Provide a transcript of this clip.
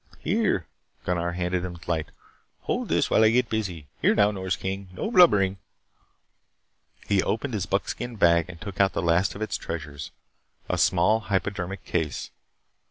"Here," Gunnar handed him the light. "Hold this while I get busy. Here now, Nors King. No blubbering." He opened his buckskin bag and took out the last of its treasures a small hypodermic case.